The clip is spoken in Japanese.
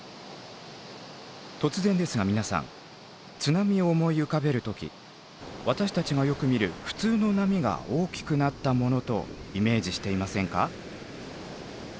突然ですが皆さん津波を思い浮かべる時私たちがよく見るふつうの波が大きくなったモノとイメージしていませんか？